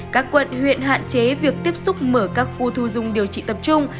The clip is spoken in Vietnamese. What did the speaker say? các quận huyện hạn chế việc tiếp xúc mở các khu thu dung điều trị tập trung